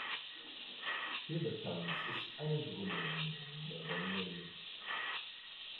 Vehlefanz ist eine Gründung der Wenden.